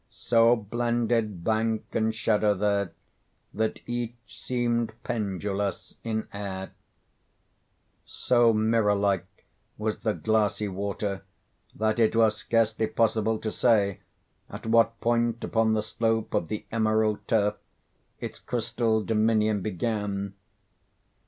So blended bank and shadow there That each seemed pendulous in air— so mirror like was the glassy water, that it was scarcely possible to say at what point upon the slope of the emerald turf its crystal dominion began.